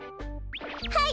はい！